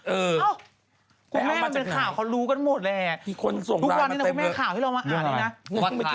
เออคุณแม่มันเป็นข่าวเขารู้กันหมดเลยนะครับ